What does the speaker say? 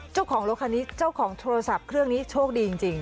เจ้าของรถคันนี้เจ้าของโทรศัพท์เครื่องนี้โชคดีจริง